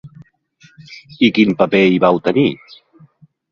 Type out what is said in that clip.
I quin paper hi vau tenir?